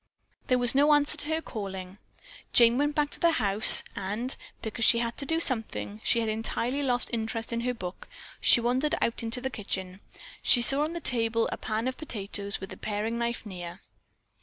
As there was no answer to her calling, Jane went back to the house, and, because she had to do something (she had entirely lost interest in her book), she wandered out into the kitchen. She saw on the table a pan of potatoes with the paring knife near.